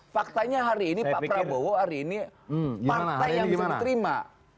faktanya hari ini pak prabowo hari ini partai yang belum diterima